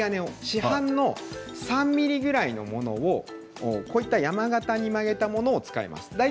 市販の３ｍｍぐらいのものを山形に曲げたものを使います。